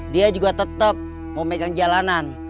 dia juga tetap mau pegang jalanan